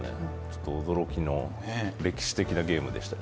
驚きの歴史的なゲームでした。